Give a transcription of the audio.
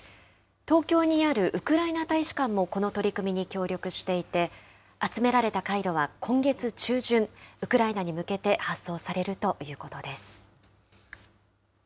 東京にあるウクライナ大使館もこの取り組みに協力していて、集められたカイロは今月中旬、ウクライナに向けて発送されるということです。